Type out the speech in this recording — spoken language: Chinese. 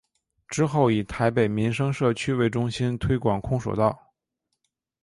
之后以台北民生社区为中心推广空手道。